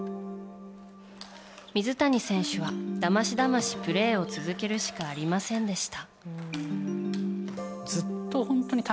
水谷選手は、だましだましプレーを続けるしかありませんでした。